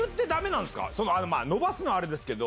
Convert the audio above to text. まぁ伸ばすのはあれですけど。